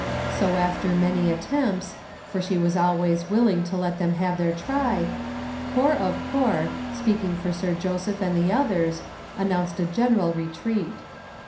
So after many attempts (for she was always willing to let them have their try) Corp of Corp, speaking for Sir Joseph and the others, announced a general retreat.